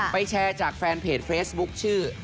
แชร์จากแฟนเพจเฟซบุ๊คชื่อ